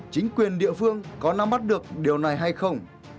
chính quyền địa phương có nắm bắt được điều này hay không